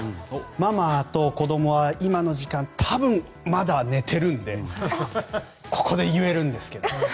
ママと子供は今の時間多分、まだ寝ているんでここで言えるんですけど。